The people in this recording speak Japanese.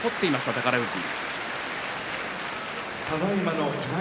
宝富士。